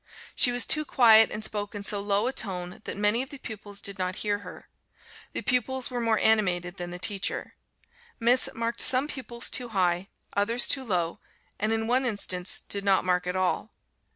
She was too quiet, and spoke in so low a tone that many of the pupils did not hear her. The pupils were more animated than the teacher. Miss marked some pupils too high, others too low, and in one instance did not mark at all.